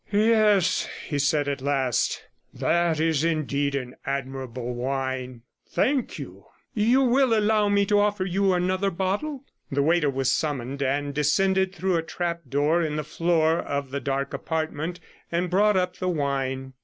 'Yes,' he said at last, 'that is indeed an admirable wine. Thank you; you will allow me to offer you another bottle?' The waiter was summoned, and descended through a trap door in the floor of the dark apartment and brought up the wine.